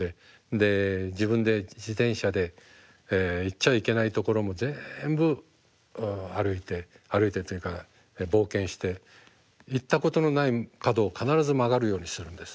で自分で自転車で行っちゃいけないところも全部歩いて歩いてというか冒険して行ったことのない角を必ず曲がるようにするんです。